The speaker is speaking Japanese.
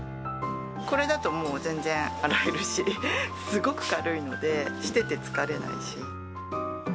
これだと全然洗えるし、すごく軽いので、してて疲れないし。